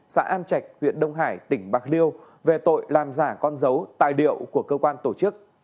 xã an trạch huyện đông hải tỉnh bạc liêu về tội làm giả con dấu tài liệu của cơ quan tổ chức